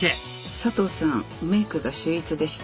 佐藤さんメイクが秀逸でした。